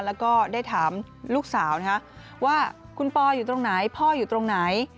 แล้วก็ได้ถามลูกสาวนะคะว่าคุณปออยู่ตรงไหนพ่ออยู่ตรงไหน